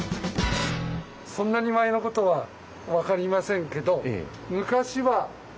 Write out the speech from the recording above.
そんなに前のことは分かりませんけど昔は今のバス停の。